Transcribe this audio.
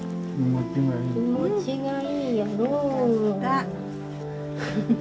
気持ちがいいやろう？